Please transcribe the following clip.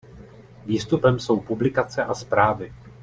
Výstupem jsou publikace a zprávy.